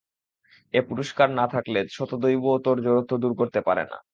এ পুরুষকার না থাকলে শত দৈবও তোর জড়ত্ব দূর করতে পারে না।